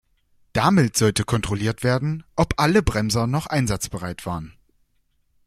Damit sollte kontrolliert werden, ob alle Bremser noch einsatzbereit waren.